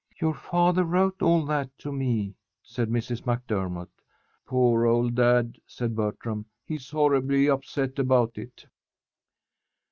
"Your father wrote all that to me," said Mrs. MacDermott. "Poor old dad," said Bertram, "he's horribly upset about it."